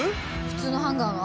普通のハンガーが？